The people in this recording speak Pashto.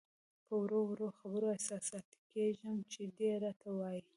په وړو وړو خبرو احساساتي کېږم چې دی راته وایي.